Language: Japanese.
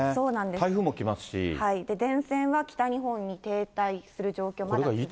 前線は北日本に停滞する状況、まだ続きます。